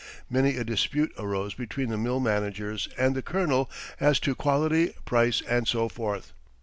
Many a dispute arose between the mill managers and the Colonel as to quality, price, and so forth.